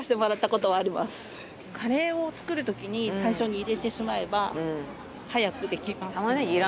カレーを作る時に最初に入れてしまえば早くできます。